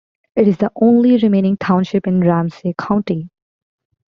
It is the only remaining township in Ramsey County.